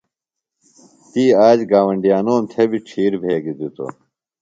تی آ ج گاوۡنڈیانوم تھےۡ بیۡ ڇِھیر بھیگیۡ دِتوۡ۔